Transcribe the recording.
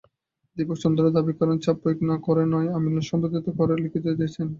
দীপক চন্দ্র দাবি করেন, চাপ প্রয়োগ করে নয়, আমিনুল স্বপ্রণোদিত হয়ে লিখিত দিয়েছেন।